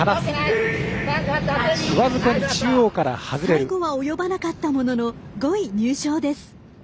最後は及ばなかったものの５位入賞です。